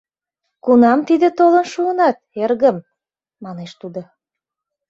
— Кунам тиде толын шуынат, эргым? — манеш тудо.